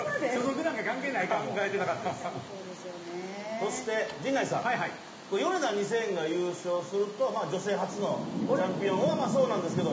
そして、陣内さん、ヨネダ２０００が優勝すると、女性初のチャンピオンはそうなんですけど。